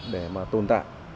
để mà tồn tại